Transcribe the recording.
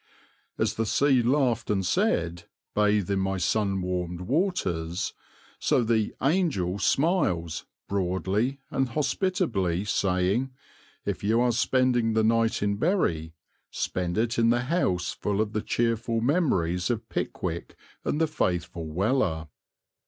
As the sea laughed and said, "Bathe in my sun warmed waters," so the "Angel" smiles, broadly and hospitably, saying, "If you are spending the night in Bury, spend it in the house full of the cheerful memories of Pickwick and the faithful Weller."